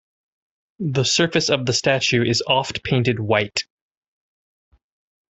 The surface of the statue is oft painted white.